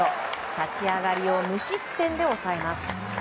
立ち上がりを無失点で抑えます。